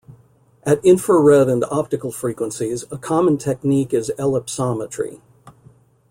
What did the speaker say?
At infrared and optical frequencies, a common technique is ellipsometry.